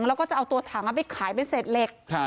แล้วก็จะเอาตัวถังไปขายเป็นเศษเหล็ก